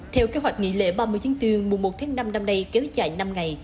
theo kế hoạch nghỉ lễ ba mươi chín tương mùa một tháng năm năm nay kéo dài năm ngày